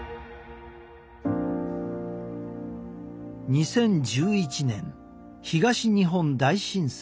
２０１１年東日本大震災。